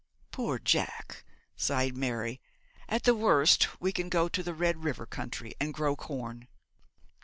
'Poor Jack,' sighed Mary, 'at the worst we can go to the Red River country and grow corn.'